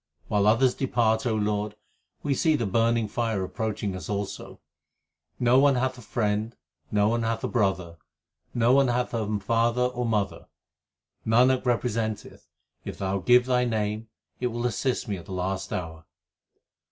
While others depart, O Lord, we see the burning fire approaching us also. No one hath a friend, no one hath a brother, no one hath a father or mother. Nanak representeth, if Thou give Thy name, it will assist me at the last hour.